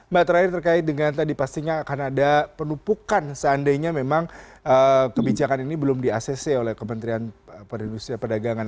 mbak terakhir terkait dengan tadi pastinya akan ada penumpukan seandainya memang kebijakan ini belum di acc oleh kementerian perindustrian perdagangan